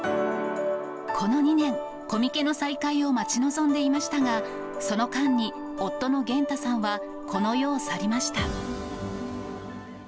この２年、コミケの再開を待ち望んでいましたが、その間に夫の嚴太さんはこの世を去りました。